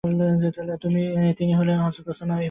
তিনি হলেন হযরত উসামা ইবনে যায়েদ।